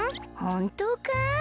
ほんとうか？